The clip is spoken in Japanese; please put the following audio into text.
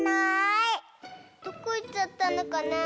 どこいっちゃったのかな？